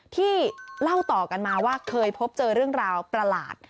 ที่เล่าต่อกันมาว่าเคยพบเจอเรื่องราวประหลาด